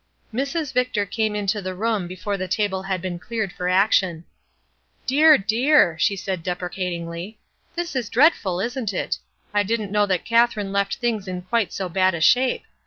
Mrs. Victor came into the room before the table had been cleared for action. "Dear, dear!" she said deprecatingly, "this is dreadful, isn't it? I didn't know that Kath erine left things in quite so bad a shape.